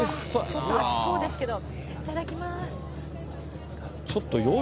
ちょっと熱そうですけど、いただきます。